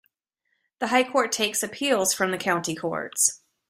The High Court takes appeals from the County Courts.